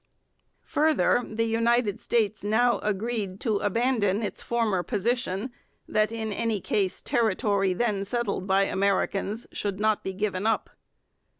Further, the United States now agreed to abandon its former position, that in any case territory then settled by Americans should not be given up.